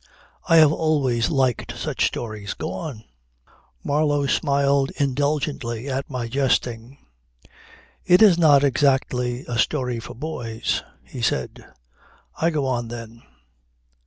I have always liked such stories. Go on." Marlow smiled indulgently at my jesting. "It is not exactly a story for boys," he said. "I go on then.